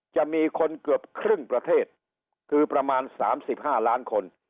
จะมีคนเกือบครึ่งประเทศคือประมาณ๓๕ล้านคน